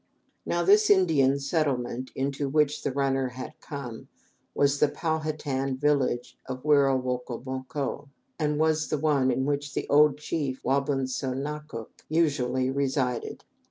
Now this Indian settlement into which the runner had come was the Pow ha tan village of Wero woco moco, and was the one in which the old chief Wa bun so na cook usually resided.